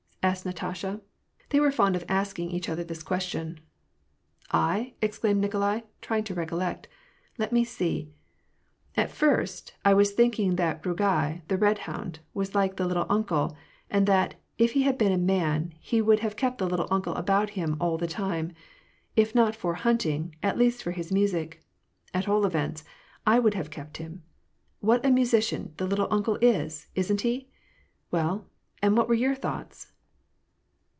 asked Natasha. They were fond of asking each other this question. " I ?" exclaimed Nikolai, trying to recollect ;" let me see ! At first, I was thinking that Rugai, the red hound, was like the ' little uncle ;' and that, if he had been a man, he would keep the ' little uncle ' about him all the time : if not for hunt ing, at least for his music ; at all events, I would have kept him. What a musician the 4ittle uncle' is! Isn't he? — Well, and what were your thoughts